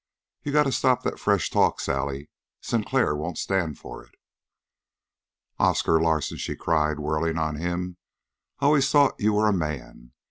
"You got to stop that fresh talk, Sally. Sinclair won't stand for it." "Oscar Larsen," she cried, whirling on him, "I always thought you were a man.